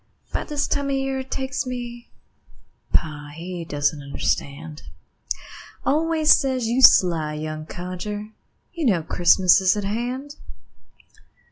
'Bout this time of year it takes me Pa, he doesn't understand, Always says: "You sly young codger, You know Christmas is at hand."